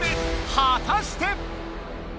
はたして？